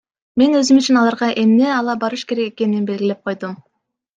Мен өзүм үчүн аларга эмне ала барыш керек экенин белгилеп койдум.